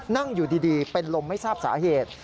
นั่งอยู่ดีเป็นลมไม่ทราบสาเหตุ